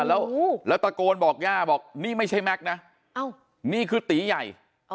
แล้วแล้วตะโกนบอกย่าบอกนี่ไม่ใช่แม็กน่ะอ้าวนี่คือตีใหญ่อ๋อ